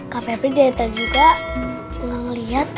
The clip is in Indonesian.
kak febri dari tadi juga nggak liat kak